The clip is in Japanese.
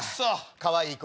かわいい子。